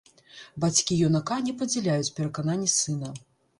Бацькі юнака не падзяляюць перакананні сына.